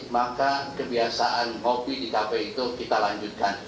maka kebiasaan ngopi di kafe itu kita lanjutkan